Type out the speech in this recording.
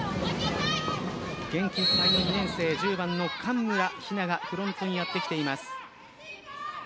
元気いっぱいの２年生１０番の上村日菜がフロントにやってきています。